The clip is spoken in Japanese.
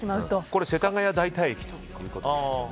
これ世田谷代田駅ということですが。